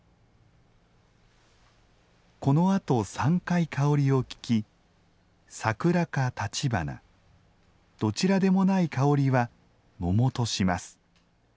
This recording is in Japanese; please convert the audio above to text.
このあと、３回香りを聞き「桜」か「橘」どちらでもない香りは「桃」とします。